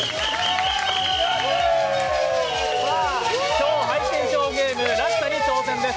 超ハイテンションゲーム「落差」に挑戦です。